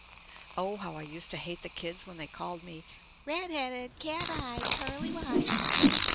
Oh how I used to hate the kids when they called me "Red headed, cat eyed, Pearly White."